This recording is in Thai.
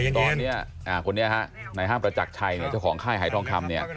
ตอนนี้คนนี้ฮะในห้างประจักรชัยเจ้าของค่ายหายทองคำเนี่ย